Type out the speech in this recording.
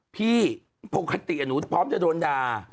พี่ปกติหนูพร้อมจะโดนด่า